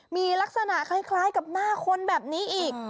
มีลักษณะคล้ายกับหน้าคนแบบนี้อีก